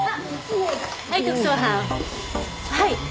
はい。